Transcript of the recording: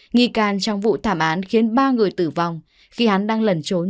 nghi can trong vụ thảm án khiến ba người tử vong khi hắn đang lẩn trốn